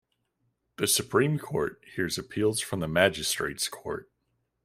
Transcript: The Supreme Court hears appeals from the Magistrates' Court.